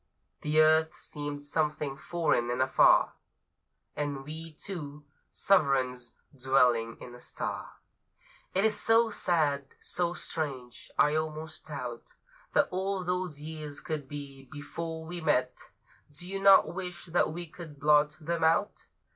The earth seemed something foreign and afar, And we two, sovereigns dwelling in a star! It is so sad, so strange, I almost doubt That all those years could be, before we met. Do you not wish that we could blot them out?